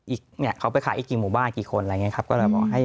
อีกเนี่ยเขาไปขายอีกกี่หมู่บ้านกี่คนอะไรอย่างนี้ครับก็เลยบอกให้